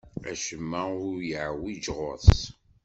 Acemma ur yeɛwiǧ ɣur-s.